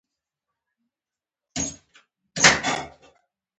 په ادبي مباحثو کې یې یو دلیل دا دی.